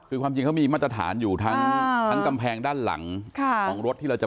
คือมีมาตรฐานอยู่ทั้งกำแพงด้านหลังของรถที่จะไปจอด